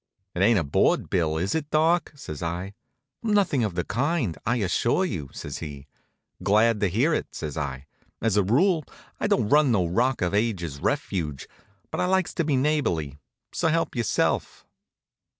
"It ain't a board bill, is it, Doc?" says I. "Nothing of the kind, I assure you," says he. "Glad to hear it," says I. "As a rule, I don't run no rock of ages refuge, but I likes to be neighborly, so help yourself."